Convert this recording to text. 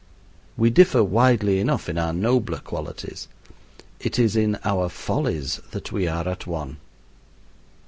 We differ widely enough in our nobler qualities. It is in our follies that we are at one.